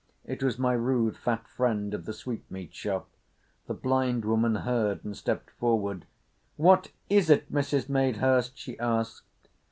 It was my rude, fat friend of the sweetmeat shop. The blind woman heard and stepped forward. "What is it, Mrs. Madehurst?" she asked.